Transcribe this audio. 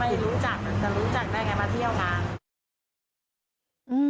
ไม่รู้จักแต่รู้จักได้ไงมาเที่ยวงาน